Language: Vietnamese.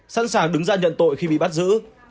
sẵn sàng đứng ra nhận tội khi bị bắt giữ